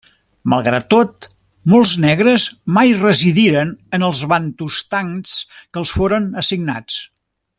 Malgrat tot, molts negres mai residiren en els Bantustans que els foren assignats.